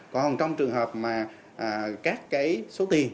còn trong trường hợp mà các cái số tiền